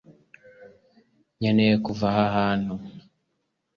Nkeneye kuva aha hantu